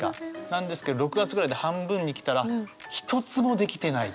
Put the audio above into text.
なんですけど６月ぐらいで半分に来たら一つもできてない。